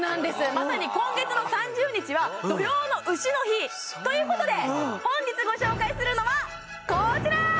まさに今月の３０日は土用の丑の日ということで本日ご紹介するのはこちら！